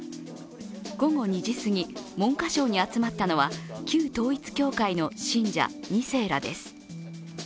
午後２時すぎ、文科省に集まったのは旧統一教会の信者２世らです。